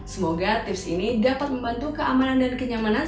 semoga tips ini dapat membantu keamanan dan kenyamanan